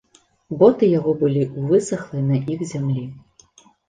Боты яго былі ў высахлай на іх зямлі.